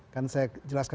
kan saya jelaskan